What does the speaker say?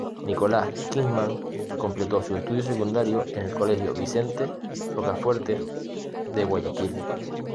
Nicolás Kingman completó sus estudios secundarios en el colegio Vicente Rocafuerte, de Guayaquil.